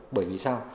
bởi vì sao